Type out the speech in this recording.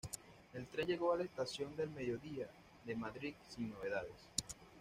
El tren llegó a la Estación del Mediodía de Madrid sin novedades.